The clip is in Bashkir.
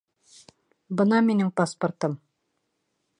Бына минең паспортым